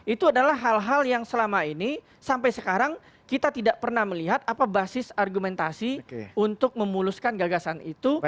itu adalah hal hal yang selama ini sampai sekarang kita tidak pernah melihat apa basis argumentasi untuk memuluskan gagasan itu